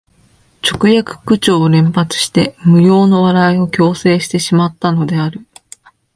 直訳口調を連発して無用の笑いを強制してしまったのである